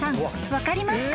分かりますか？］